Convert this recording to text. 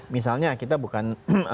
misalnya kita bukan